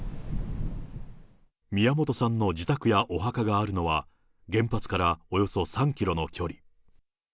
宮本さんの自宅やお墓があるのは、原発からおよそ３キロの距離。